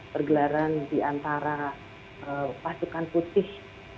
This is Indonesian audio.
pergelaran di antara pasukan putih